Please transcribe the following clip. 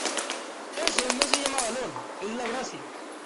eso no se llama valor: es la Gracia...